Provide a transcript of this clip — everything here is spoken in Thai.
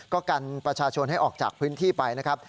ก็กันประชาชนให้ออกจากพื้นที่ไปนะครับ